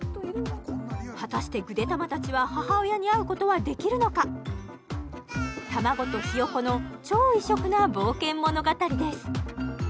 果たしてぐでたま達は母親に会うことはできるのか卵とひよこの超異色な冒険物語です